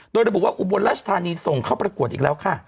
โดยรับบุว่าอุบาลราชทานีทรงเข้าประกวดอีกแล้ว